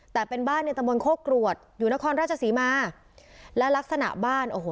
แต่เป็นบ้านในตะบนโคกรวดอยู่นครราชศรีมาและลักษณะบ้านโอ้โห